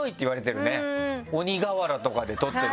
鬼瓦とかで撮って。